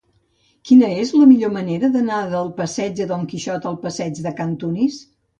Quina és la millor manera d'anar del passeig de Don Quixot al passeig de Cantunis?